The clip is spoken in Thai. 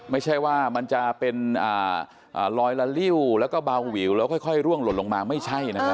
ไม่ใช่ว่ามันจะเป็นลอยละลิ้วแล้วก็เบาวิวแล้วค่อยร่วงหล่นลงมาไม่ใช่นะฮะ